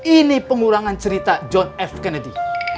ini pengurangan cerita john f kennedy